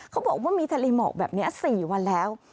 เขาบอกว่ามีทะเลหมอกแบบนี้๔วันแล้ว